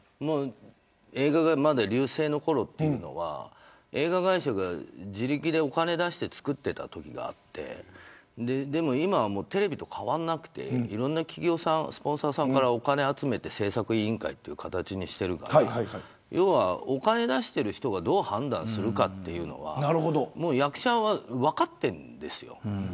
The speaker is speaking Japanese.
映画が隆盛のころは映画会社が自力でお金を出して作っていたときがあってでも今はテレビと変わらなくていろんな企業さんスポンサーさんからお金を集めて製作委員会という形にしているからお金を出している人がどう判断するかというのは役者は分かっているんですよ。